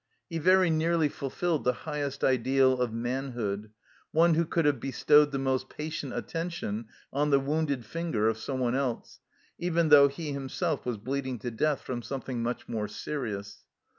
He very nearly fulfilled the highest ideal of manhood, one who could have bestowed the most patient attention on the wounded finger of someone else, even though he himself was bleed ing to death from something much more serious.